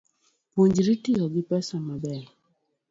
Puonjri tiyo gi pesa maber